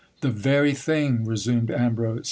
The very thing ! resumed Ambrose.